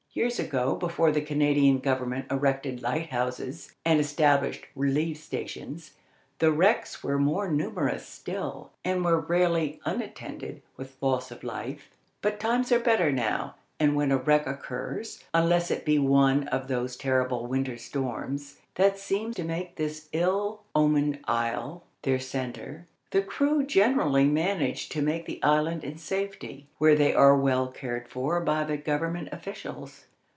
Years ago, before the Canadian Government erected lighthouses and established relief stations, the wrecks were more numerous still, and were rarely unattended with loss of life. But times are better now, and when a wreck occurs, unless it be in one of those terrible winter storms that seem to make this ill omened isle their centre, the crew generally manage to make the land in safety, where they are well cared for by the government officials.